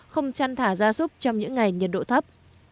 không chăn thả ra súc trong những ngày nhiệt độ thấp